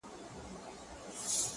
دا ستا خبري مي د ژوند سرمايه.